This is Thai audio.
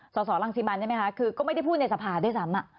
สสรังสิมันใช่ไหมคะคือก็ไม่ได้พูดในสภาด้วยซ้ำ